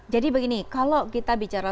jadi begini kalau kita bicara